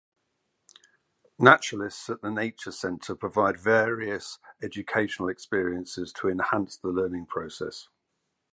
Naturalists at the nature center provide various educational experiences to enhance the learning process.